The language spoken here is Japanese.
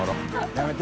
やめて。